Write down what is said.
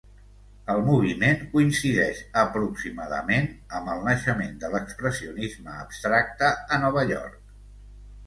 El moviment coincideix aproximadament amb el naixement de l'Expressionisme abstracte a Nova York.